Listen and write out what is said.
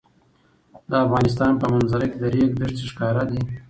د افغانستان په منظره کې د ریګ دښتې ښکاره ده.